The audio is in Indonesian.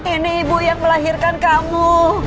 ini ibu yang melahirkan kamu